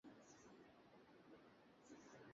যেখানেই যাই, কেউ না কেউ আগে এসে সব প্রমাণ নষ্ট করে দেয়।